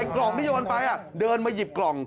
กล่องที่โดนไปเดินไปหยิบกัน